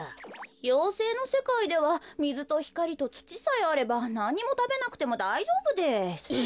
妖精のせかいではみずとひかりとつちさえあればなんにもたべなくてもだいじょうぶです。え！